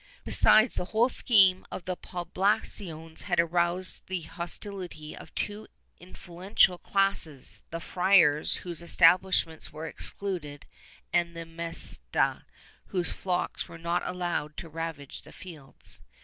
Besides, the whole scheme of the Poblaciones had aroused the hostility of two influential classes — the friars whose establishments were excluded and the Mesta whose flocks were not allowed to ravage the fields.